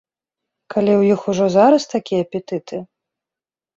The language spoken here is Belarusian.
Калі ў іх ужо зараз такія апетыты?